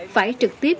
phải trực tiếp